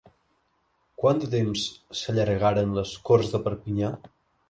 Quant de temps s'allargaren les Corts de Perpinyà?